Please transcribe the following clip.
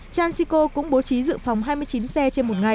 transico cũng bố trí dự phòng hai mươi chín xe trên một ngày